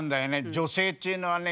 女性っていうのはね